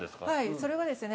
◆それはですね。